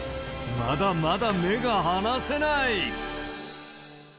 まだまだ目が離せない。